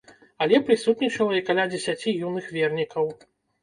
Але прысутнічала і каля дзесяці юных вернікаў.